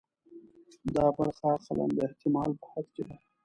دا برخه اقلاً د احتمال په حد کې ده.